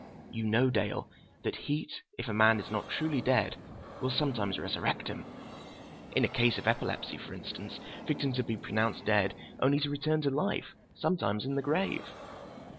You know, Dale, that heat, if a man is not truly dead, will sometimes resurrect him. In a case of epilepsy, for instance, victims have been pronounced dead only to return to life—sometimes in the grave.